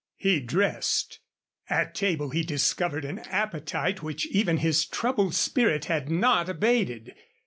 He dressed. At table he discovered an appetite which even his troubled spirit had not abated.